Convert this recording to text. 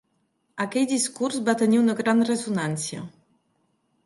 Aquell discurs va tenir una gran ressonància.